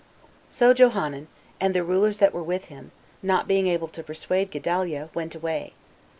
4. So Johanan, and the rulers that were with him, not being able to persuade Gedaliah, went away.